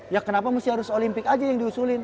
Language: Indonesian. ya kenapa mesti harus olimpik aja yang diusulin